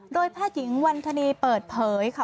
โดยแพทย์หญิงวันธนีเปิดเผยค่ะ